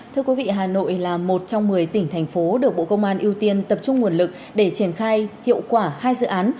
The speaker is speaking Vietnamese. thưa quý vị hà nội là một trong một mươi tỉnh thành phố được bộ công an ưu tiên tập trung nguồn lực để triển khai hiệu quả hai dự án